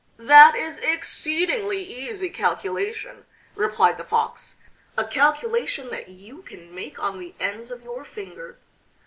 "That is exceedingly easy calculation," replied the Fox, "a calculation that you can make on the ends of your fingers.